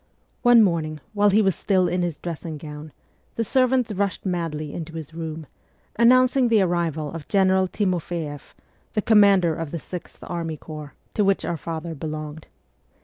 One morning, while he was still in his dressing gown, the servants rushed madly into his room, announcing the arrival of General Timofeeff, the commander of the sixth army corps, to which our father belonged.